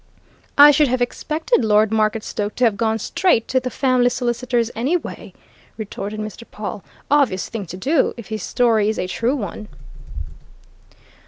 "I should have expected Lord Marketstoke to have gone straight to the family solicitors, anyway," retorted Mr. Pawle. "Obvious thing to do if his story is a true one."